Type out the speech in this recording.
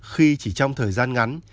khi chỉ trong thời gian ngắn